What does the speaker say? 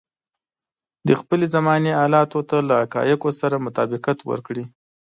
د خپلې زمانې حالاتو ته له حقايقو سره مطابقت ورکړي.